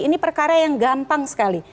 ini perkara yang gampang sekali